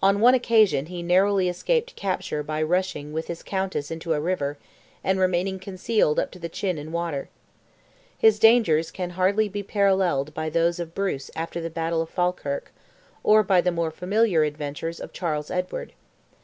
On one occasion he narrowly escaped capture by rushing with his Countess into a river, and remaining concealed up to the chin in water. His dangers can hardly be paralleled by those of Bruce after the battle of Falkirk, or by the more familiar adventures of Charles Edward.